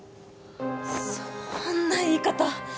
そんな言い方。